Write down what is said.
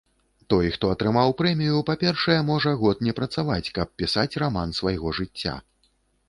Той, хто атрымаў прэмію, па-першае, можа год не працаваць, каб пісаць раман свайго жыцця.